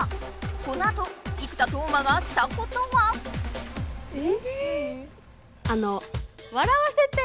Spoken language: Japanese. このあと生田斗真がしたことは？え？